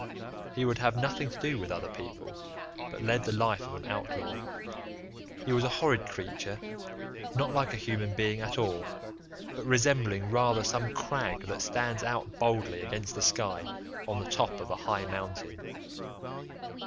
He would have nothing to do with other people, but led the life of an outlaw. He was a horrid creature, not like a human being at all, but resembling rather some crag that stands out boldly against the sky on the top of a high mountain.